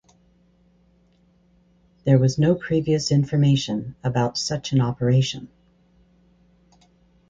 There was no previous information about such an operation.